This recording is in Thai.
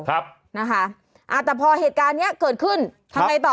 แต่พอเหตุการณ์นี้เกิดขึ้นทำไงต่อ